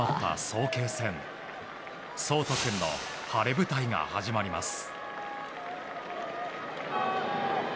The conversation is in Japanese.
想仁君の晴れ舞台が始まります。